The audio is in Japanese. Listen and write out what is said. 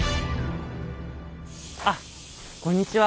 あっこんにちは。